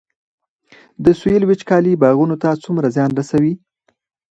د سویل وچکالي باغونو ته څومره زیان رسوي؟